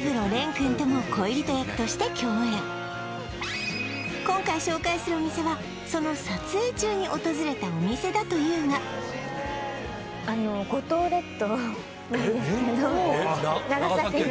くんとも恋人役として共演今回紹介するお店はその撮影中に訪れたお店だというがあの五島列島なんですけどえっ長崎県の？